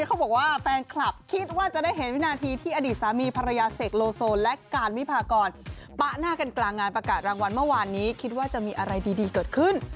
เขาบอกว่าแฟนคลับคิดว่าจะได้เห็นวินาทีที่อดีตสามีภรรยาเสกโลโซและการวิพากรปะหน้ากันกลางงานประกาศรางวัลเมื่อวานนี้คิดว่าจะมีอะไรดีเกิดขึ้น